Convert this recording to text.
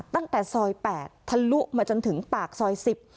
ตั้งแต่ซอยแปดทะลุมาจนถึงปากซอยสิบ